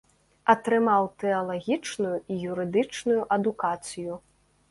Атрымаў тэалагічную і юрыдычную адукацыю.